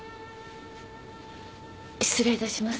失礼いたします。